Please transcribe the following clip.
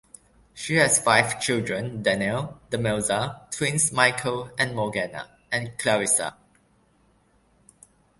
She has five children: Daniel, Demelza, twins Michael and Morgana and Clarissa.